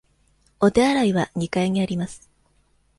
お手洗いは二階にあります。